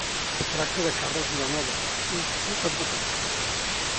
Es tracta de Carles Vilanova, un futur advocat.